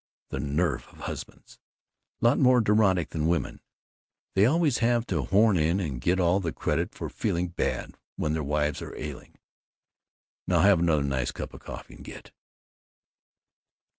The nerve of husbands! Lot more neurotic than the women! They always have to horn in and get all the credit for feeling bad when their wives are ailing. Now have another nice cup of coffee and git!"